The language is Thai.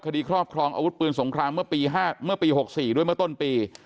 ครอบครองอาวุธปืนสงครามเมื่อปี๕เมื่อปี๖๔ด้วยเมื่อต้นปี